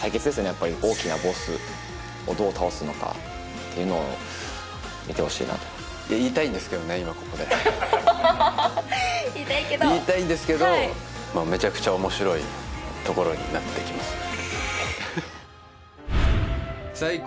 やっぱり大きなボスをどう倒すのかっていうのを見てほしいなと今ここで・言いたいけど言いたいんですけどめちゃくちゃ面白いところになってきますね